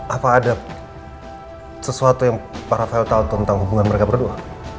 apa ada sesuatu yang para file tahu tentang hubungan mereka berdua